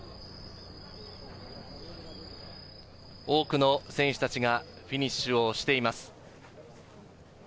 多くの選手たちがフィニッシュをしています。